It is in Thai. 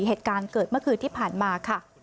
เหตุการณ์เกิดเมื่อคืนที่ผ่านมาค่ะ